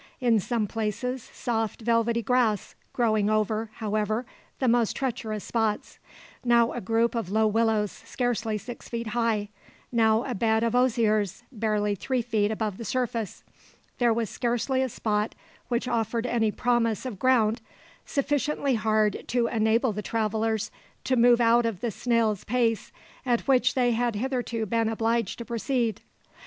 In some places soft velvety grass, growing over, however, the most treacherous spots; now a group of low willows, scarcely six feet high; now a bed of osiers, barely three feet above the surface. There was scarcely a spot which offered any promise of ground sufficiently hard to enable the travellers to move out of the snail's pace at which they had hitherto been obliged to proceed.